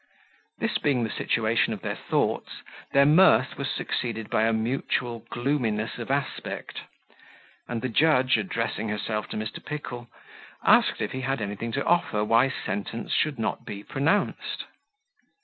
This being the situation of their thoughts, their mirth was succeeded by a mutual gloominess of aspect; and the judge, addressing herself to Mr. Pickle, asked if he had anything to offer why sentence should not be pronounced?